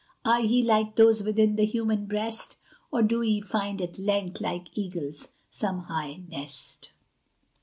Are ye like those within the human breast? Or do ye find at length, like eagles, some high nest?